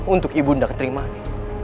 untuk ibu undah kentering mata